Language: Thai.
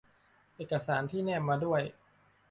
เอกสารที่แนบมาด้วย